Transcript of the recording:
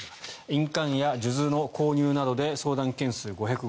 印鑑や数珠の購入などで相談件数５５９件